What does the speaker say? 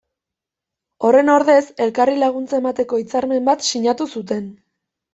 Horren ordez, elkarri laguntza emateko hitzarmen bat sinatu zuten.